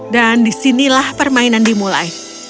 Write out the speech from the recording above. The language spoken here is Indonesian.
dan disinilah permainan dimulai